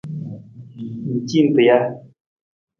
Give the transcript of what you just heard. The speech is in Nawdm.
Ng ci nta ja?